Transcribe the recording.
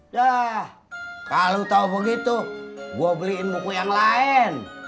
yah kalau tau begitu gue beliin buku yang lain